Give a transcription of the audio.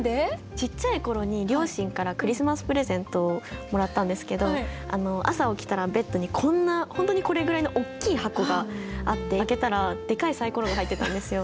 ちっちゃい頃に両親からクリスマスプレゼントをもらったんですけど朝起きたらベッドにこんな本当にこれぐらいの大きい箱があって開けたらデカいサイコロが入ってたんですよ。